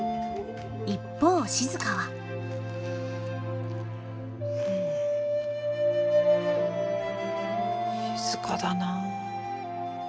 一方静は静かだな。